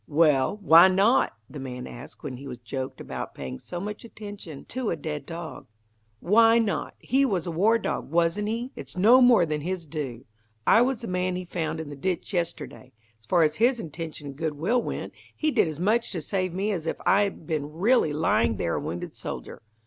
"Well, why not?" the man asked when he was joked about paying so much attention to a dead dog. "Why not? He was a war dog, wasn't he? It's no more than his due. I was the man he found in the ditch yesterday. As far as his intention and good will went, he did as much to save me as if I had been really lying there a wounded soldier.